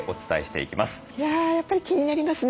いややっぱり気になりますね。